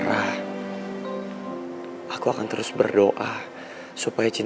buat apa ya okelah berbatu ga gak deh